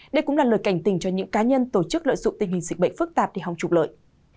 đây cũng là lời cảnh tình cho những cá nhân tổ chức lợi dụng tình hình dịch bệnh phức tạp để hòng trục lợi